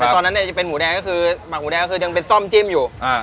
แต่ตอนนั้นจะเป็นหมูแดงก็คือหมักหมูแดงก็คือยังเป็นส้มจิ้มอยู่